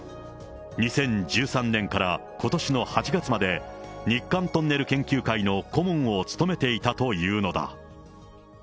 ２０１３年からことしの８月まで、日韓トンネル研究会の顧問を務めていたというのだ。